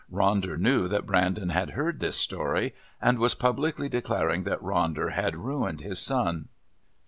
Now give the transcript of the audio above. Ronder knew that Brandon had heard this story and was publicly declaring that Ronder had ruined his son.